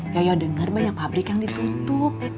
gayo dengar banyak pabrik yang ditutup